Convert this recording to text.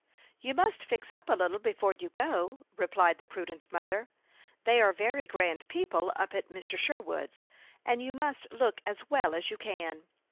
" You must fix up a little before you go," added the prudent mother. " They are very grand people up at Mr. Sherwood's, and you must look as well as you can."